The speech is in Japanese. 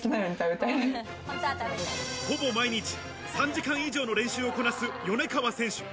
ほぼ毎日３時間以上の練習をこなす米川選手。